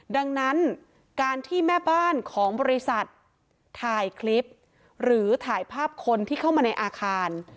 ดังนั้นการที่แม่บ้านของบริษัทถ่ายคลิปหรือถ่ายภาพคนที่เข้ามาในอาคาร